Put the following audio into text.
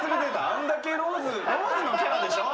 あんだけローズのキャラでしょ。